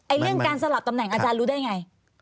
เรื่องการสลับตำแหน่งอาจารย์รู้ได้ไง